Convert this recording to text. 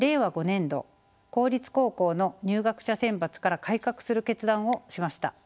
５年度公立高校の入学者選抜から改革する決断をしました。